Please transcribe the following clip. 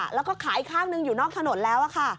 แล้วก็ขายข้างหนึ่งอยู่นอกถนนแล้วค่ะ